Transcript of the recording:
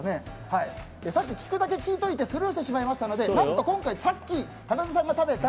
さっき聞くだけ聞いておいてスルーしてしまいましたので何と今回、さっきかなでさんが食べた